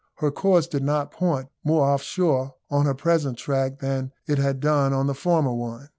Her course did not point more off shore on her present tack than it had done on the former one.